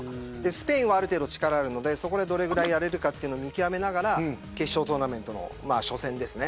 スペインはある程度力があるのでそこでどれぐらいやれるかというのを見極めながら決勝トーナメント初戦ですね。